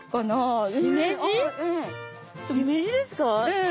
うん。